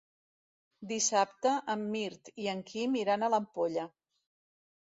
Dissabte en Mirt i en Quim iran a l'Ampolla.